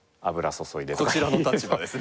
こちらの立場ですね。